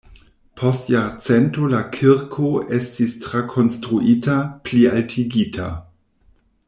Post jarcento la kirko estis trakonstruita, plialtigita.